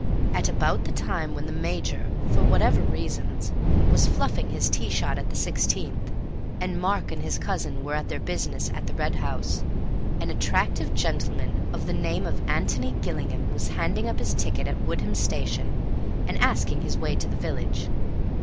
At about the time when the Major (for whatever reasons) was fluffing his tee shot at the sixteenth, and Mark and his cousin were at their business at the Red House, an attractive gentleman of the name of Antony Gillingham was handing up his ticket at Woodham station and asking the way to the village.